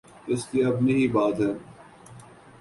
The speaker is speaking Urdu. اس کی اپنی ہی بات ہے۔